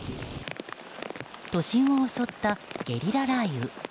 都心を襲ったゲリラ雷雨。